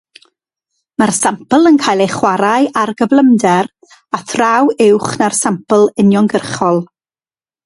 Mae'r sampl yn cael ei chwarae ar gyflymder a thraw uwch na'r sampl uniongyrchol.